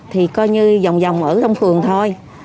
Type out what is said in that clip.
thì coi như dòng dòng ở trong khường thôi